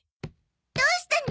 どうしたの？